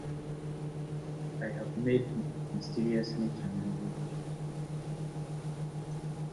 I have made mysterious Nature my religion.